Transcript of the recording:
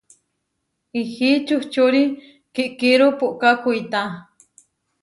Ihí čučuri kiʼkíru puʼká kuitá.